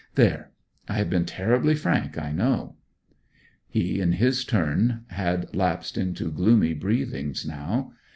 There, I have been terribly frank, I know.' He in his turn had lapsed into gloomy breathings now.